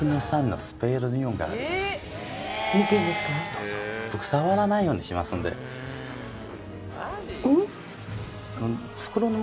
どうぞ僕触らないようにしますんでうん？